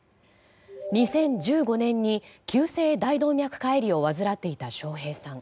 ２０１５年に急性大動脈解離を患っていた笑瓶さん。